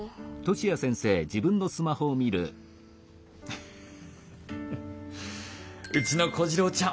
フフフうちの小次郎ちゃん